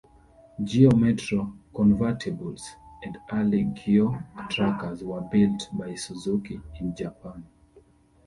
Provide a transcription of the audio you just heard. Geo Metro convertibles and early Geo Trackers were built by Suzuki in Japan.